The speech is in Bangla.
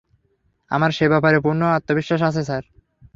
আমার সে ব্যাপারে পূর্ণ আত্মবিশ্বাস আছে, স্যার!